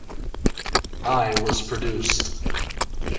Eye was produced.